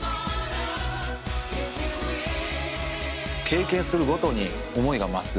経験するごとに思いが増す。